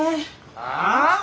ああ？